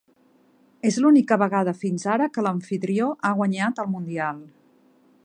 És l'única vegada fins ara que l'amfitrió ha guanyat el Mundial.